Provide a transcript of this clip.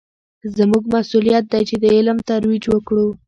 زموږ مسوولیت دی چې د علم ترویج وکړو.